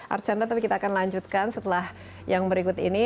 archandra tapi kita akan lanjutkan setelah yang berikut ini